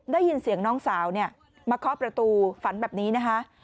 ได้ยินเสียงน้องสาวมาเคาะประตูฝันแบบนี้นะคะ